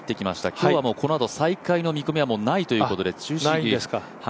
今日はこのあと再開の見込みはないということで中止です。